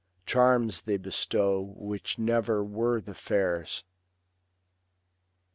Charms they bestow Which never were the fair's.